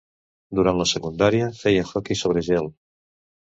Durant la secundària feia hoquei sobre gel.